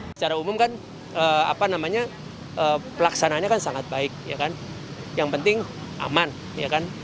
secara umum kan pelaksananya sangat baik yang penting aman